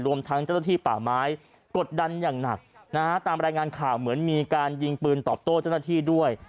รวมทั้งเจ้าหน้าที่ป่าไม้กดดันอย่างหนักนะฮะตามรายงานข่าวเหมือนมีการยิงปืนตอบโต้เจ้าหน้าที่ด้วย